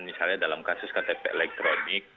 misalnya dalam kasus ktp elektronik